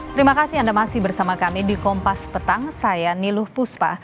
terima kasih anda masih bersama kami di kompas petang saya niluh puspa